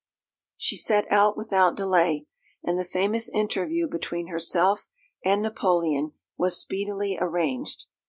She set out without delay, and the famous interview between herself and Napoleon was speedily arranged.